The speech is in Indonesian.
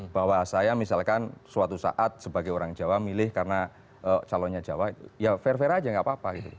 bahwa saya misalkan suatu saat sebagai orang jawa milih karena calonnya jawa ya fair fair aja nggak apa apa gitu